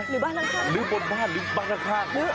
หรือบนบ้านหรือบ้านข้าง